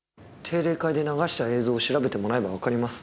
定例会で流した映像を調べてもらえばわかります。